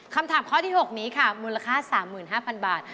คำถามข้อที่๖นี้ค่ะมูลค่า๓๕๐๐๐บาท